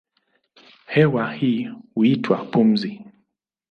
Hewa hii huitwa pumzi.